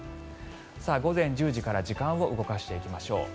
午前１０時から時間を動かしていきましょう。